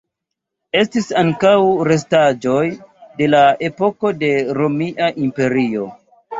Estis ankaŭ restaĵoj de la epoko de la Romia Imperio.